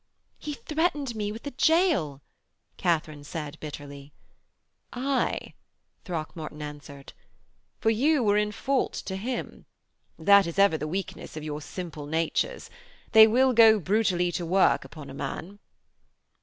'He threatened me with a gaol,' Katharine said bitterly. 'Aye,' Throckmorton answered, 'for you were in fault to him. That is ever the weakness of your simple natures. They will go brutally to work upon a man.'